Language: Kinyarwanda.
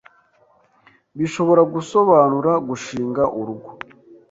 bishobora gusobanura gushinga urugo